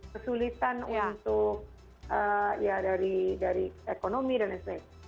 kesulitan untuk ya dari ekonomi dan lain sebagainya